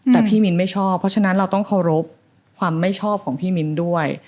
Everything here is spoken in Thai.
แต่พี่มิ้นไม่ชอบเพราะฉะนั้นเราต้องเคารพความไม่ชอบของพี่มิ้นด้วย